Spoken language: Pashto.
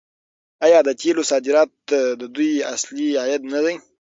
آیا د تیلو صادرات د دوی اصلي عاید نه دی؟